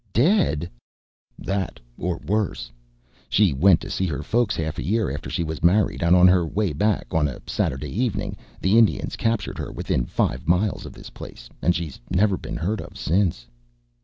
"Dead?" "That or worse. She went to see her folks half a year after she was married, and on her way back, on a Saturday evening, the Indians captured her within five miles of this place, and she's never been heard of since."